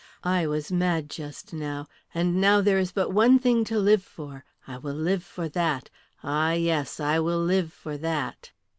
I was mad just now. And now there is but one thing to live for, I will live for that; ah, yes, I will live for that!"